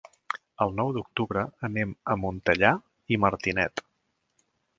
El nou d'octubre anem a Montellà i Martinet.